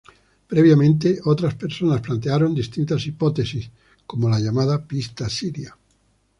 Previamente, otras personas plantearon distintas hipótesis, como la llamada "pista siria".